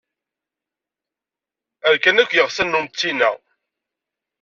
Rkan akk yiɣsan n umettin-a.